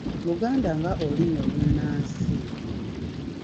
Luganda nga olulimi olunnansi